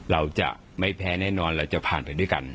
เราจะไม่แพ้แน่นอนเราจะผ่านไปด้วยกัน